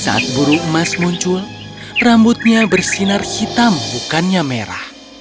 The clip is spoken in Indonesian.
saat burung emas muncul rambutnya bersinar hitam bukannya merah